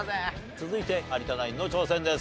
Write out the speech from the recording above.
続いて有田ナインの挑戦です。